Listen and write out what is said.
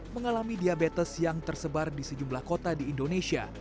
mengalami diabetes yang tersebar di sejumlah kota di indonesia